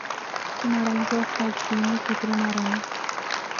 کہ مہاڑا امتیاز تاج دین نے پتریں مارانا